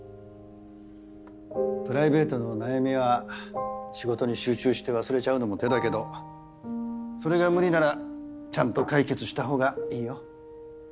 プライベートの悩みは仕事に集中して忘れちゃうのも手だけどそれが無理ならちゃんと解決した方がいいよ。